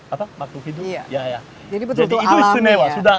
jadi itu istimewa